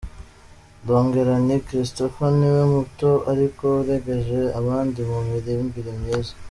Ndongera nti ’Christopher niwe muto ariko urengeje abandi mu miririmbire myiza’.